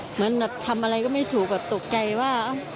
เหมือนทำอะไรไม่ถูกออกไปตกไกรว่า